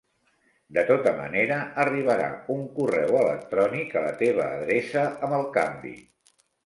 De tota manera, arribarà un correu electrònic a la teva adreça amb el canvi.